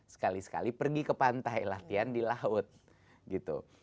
sekali sekali pergi ke pantai latihan di laut gitu